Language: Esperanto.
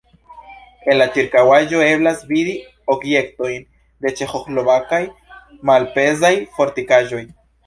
En la ĉirkaŭaĵo eblas vidi objektojn de ĉeĥoslovakaj malpezaj fortikaĵoj.